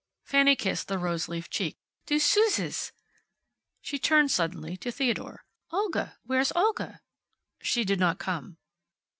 Fanny kissed the roseleaf cheek. "Du suszes " She turned suddenly to Theodore. "Olga where's Olga?" "She did not come."